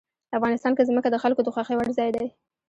افغانستان کې ځمکه د خلکو د خوښې وړ ځای دی.